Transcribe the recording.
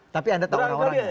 tapi anda tahu orang orang